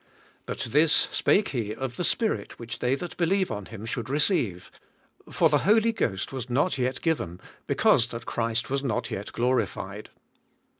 But this spake He of the Spirit which they that believe on Him should receive; for the Holy Ghost was not yet given; be cause that Christ was not yet glorified."